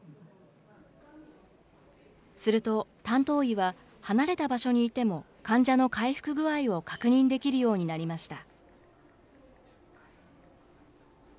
すると、担当医は離れた場所にいても患者の回復具合を確認できるようになりました。